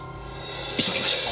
急ぎましょう。